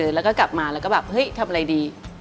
แล้วก็กลับมาแล้วก็แบบเฮ้ยทำอะไรดี